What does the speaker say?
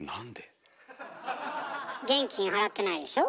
現金払ってないでしょ？